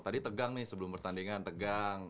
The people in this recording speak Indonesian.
tadi tegang nih sebelum pertandingan tegang